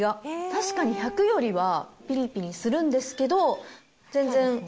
確かに１００よりはピリピリするんですけど全然。